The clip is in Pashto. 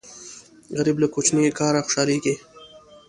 غریب له کوچني کاره خوشاليږي